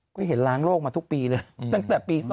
ก็เห็นล้างโรคมาทุกปีเลยตั้งแต่ปี๒๐๐๐๒๐๑๒